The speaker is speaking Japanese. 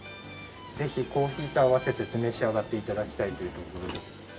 ぜひコーヒーと併せて召し上がって頂きたいというところで。